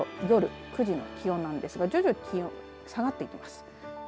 このあと夜９時の気温なんですが徐々に気温下がっていきます。